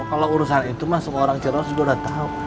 kalau urusan itu mah semua orang ciceraos juga udah tahu